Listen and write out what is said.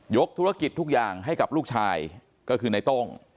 ธุรกิจทุกอย่างให้กับลูกชายก็คือในโต้ง